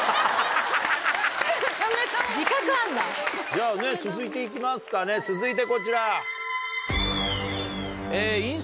じゃあね続いていきますかね続いてこちら。